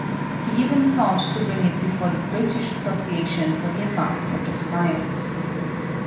He even sought to bring it before the British Association for the Advancement of Science.